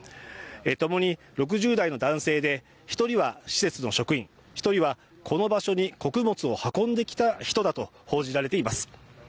共に６０代の男性で、１人は施設の職員、１人はこの場所に穀物を運んできた人だと報じられています。